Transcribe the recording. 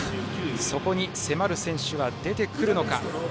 そこに迫る選手は出てくるのか。